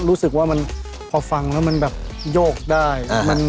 รู้สึกว่ามันพอฟังแล้วมันแบบโยกได้